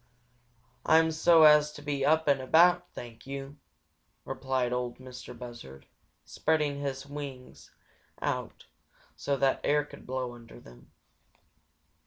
"Ah'm so as to be up and about, thank yo'," replied Ol' Mistah Buzzard, spreading his wings out so that air could blow under them.